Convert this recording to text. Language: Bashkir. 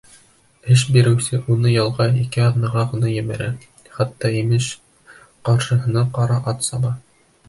Эш биреүсе уны ялға ике аҙнаға ғына ебәрә. Хатта, имеш, ҡаршыһына ҡара ат саба.